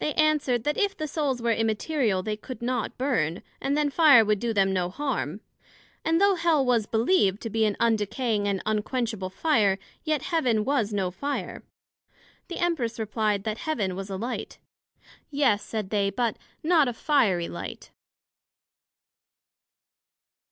They answered, That if the Souls were immaterial, they could not burn, and then fire would do them no harm; and though Hell was believed to be an undecaying and unquenchable fire, yet Heaven was no fire. The Empress replied, That Heaven was a Light. Yes, said they, but not a fiery Light.